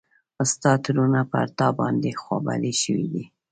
ستا ترونه پر تا باندې خوا بدي شوي دي.